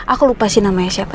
aku lupa sih namanya siapa